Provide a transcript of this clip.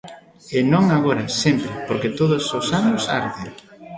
E non agora, sempre, porque todos os anos arde.